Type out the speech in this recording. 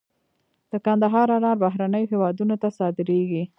د کندهار انار بهرنیو هیوادونو ته صادریږي